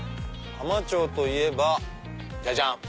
浜町といえばジャジャン！